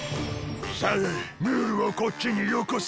さあムールをこっちによこせ！